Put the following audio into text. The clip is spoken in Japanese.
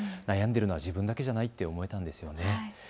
悩んでいるのは自分だけじゃないと思えたんですよね。